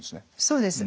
そうです。